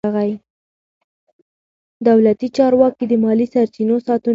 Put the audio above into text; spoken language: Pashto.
دولتي چارواکي د مالي سرچینو ساتونکي دي.